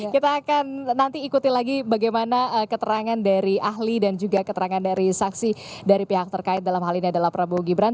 kita akan nanti ikuti lagi bagaimana keterangan dari ahli dan juga keterangan dari saksi dari pihak terkait dalam hal ini adalah prabowo gibran